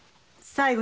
最後？